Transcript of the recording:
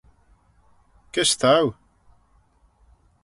Kys t'ou?